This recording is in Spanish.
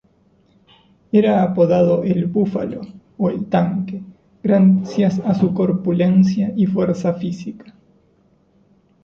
Era apodado el "Búfalo" o el "Tanque", gracias a su corpulencia y fuerza física.